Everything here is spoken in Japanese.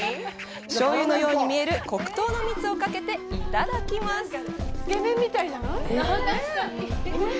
しょうゆのように見える黒糖の蜜をかけていただきます。